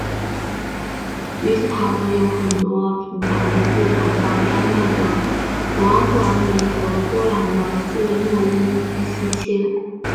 于斯塔德有很多频繁的渡口到丹麦的博恩霍尔姆和波兰的希维诺乌伊希切。